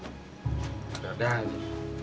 gak ada lagi